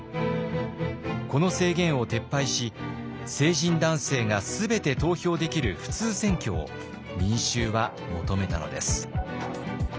この制限を撤廃し成人男性が全て投票できる普通選挙を民衆は求めたのです。